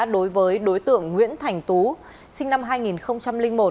đối với đối tượng nguyễn thành tú sinh năm hai nghìn một